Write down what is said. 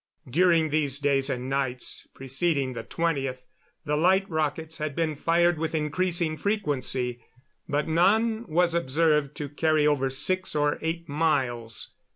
During these days and nights preceding the 20th the light rockets had been fired with increasing frequency, but none was observed to carry over six or eight miles.